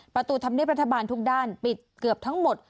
ประตูธรรมเนียบรัฐบาลทุกด้านปิดเกือบทั้งหมด